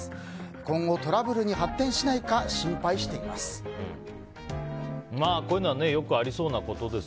今後トラブルに発展しないか心配しています。